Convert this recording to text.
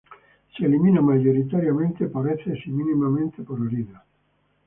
Se elimina mayoritariamente por heces y mínimamente por orina.